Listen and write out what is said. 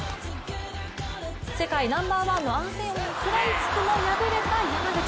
世界ナンバーワンのアン・セヨンに食らいつくも敗れた山口。